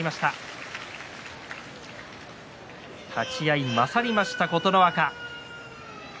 立ち合い勝りました、琴ノ若。